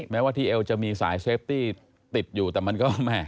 แม้ว่าที่เอวจะมีสายเซฟตี้ติดอยู่แต่มันก็แหม่